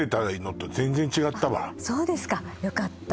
そうですかよかった